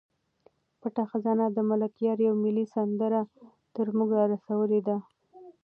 پټه خزانه د ملکیار یوه ملي سندره تر موږ را رسولې ده.